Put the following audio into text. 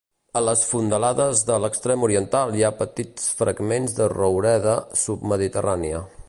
A les fondalades de l'extrem oriental hi ha petits fragments de roureda submediterrània.